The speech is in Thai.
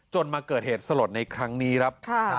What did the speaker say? มาเกิดเหตุสลดในครั้งนี้ครับ